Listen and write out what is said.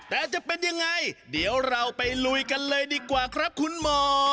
แต่จะเป็นยังไงเดี๋ยวเราไปลุยกันเลยดีกว่าครับคุณหมอ